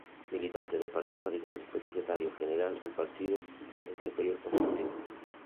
Militante del Partido Radical, fue secretario general del partido en tres períodos consecutivos.